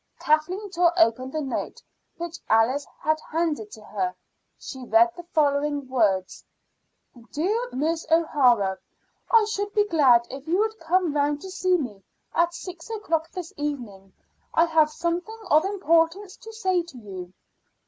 Kathleen tore open the note which Alice had handed to her. She read the following words: "DEAR MISS O'HARA, I should be glad if you would come round to see me at six o'clock this evening. I have something of importance to say to you."